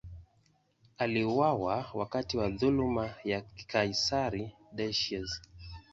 Aliuawa wakati wa dhuluma ya kaisari Decius.